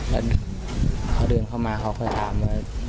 ด้วยเค้ามาเค้าเคยถาม